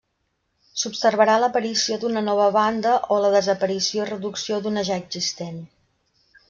S'observarà l'aparició d'una nova banda o la desaparició i reducció d'una ja existent.